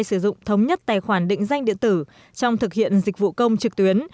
sử dụng thống nhất tài khoản định danh điện tử trong thực hiện dịch vụ công trực tuyến